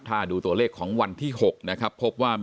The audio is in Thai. ถ้าดูตัวเลขของวันที่๖นะครับพบว่า